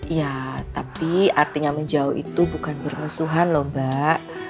ya tapi artinya menjauh itu bukan bermusuhan lho mbak